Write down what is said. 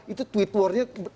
itu tweet warnya terjadi